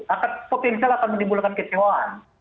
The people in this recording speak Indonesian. akan potensial akan menimbulkan kecewaan